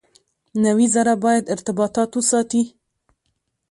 نوي زره باید ارتباطات وساتي.